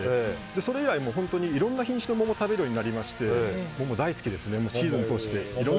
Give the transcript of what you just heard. それ以来、本当にいろんな品種の桃を食べるようになりましておいしいですよね。